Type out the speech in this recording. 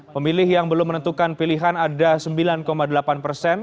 pemilih yang belum menentukan pilihan ada sembilan delapan persen